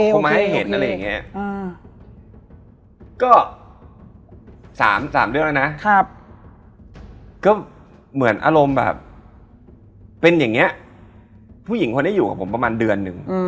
เป็นเด็กแบบเยอะแยะเลย